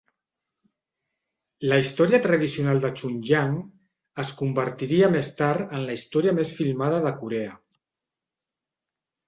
La història tradicional de "Chunhyang" es convertiria més tard en la història més filmada de Corea.